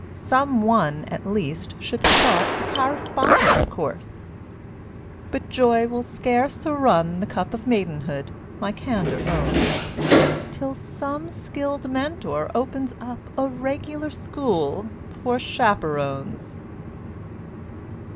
Some one at least Should start a correspondence course; But joy will scarce o'errun the cup Of maidenhood, my candor owns, Till some skilled Mentor opens up A regular school for chaperones!